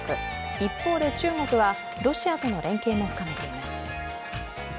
一方で中国はロシアとの連携も深めています。